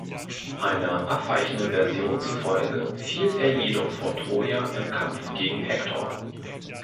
Einer abweichenden Version zufolge fiel er jedoch vor Troja im Kampf gegen Hektor.